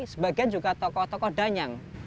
sebagian juga tokoh tokoh danyang